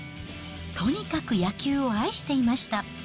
とにかく野球を愛していました。